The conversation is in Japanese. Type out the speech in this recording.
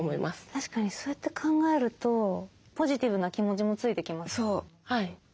確かにそうやって考えるとポジティブな気持ちもついてきます。